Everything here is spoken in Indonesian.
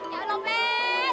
ya allah peh